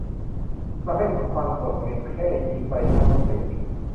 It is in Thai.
ประเภทของความโกรธเพียงแค่ยิ้มใบหน้าก็เปลี่ยน